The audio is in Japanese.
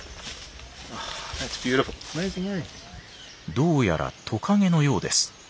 どうやらトカゲのようです。